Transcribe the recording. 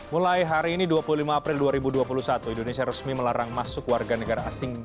selamat malam terima kasih